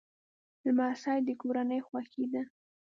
لمسی د کورنۍ خوښي ده.